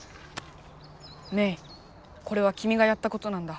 メイこれはきみがやったことなんだ。